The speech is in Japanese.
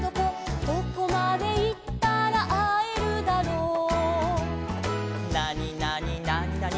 「どこまでいったらあえるだろう」「なになになになに」